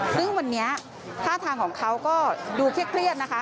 ซึ่งวันนี้ท่าทางของเขาก็ดูเครียดนะคะ